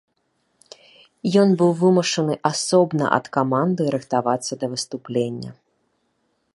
Ён быў вымушаны асобна ад каманды рыхтавацца да выступлення.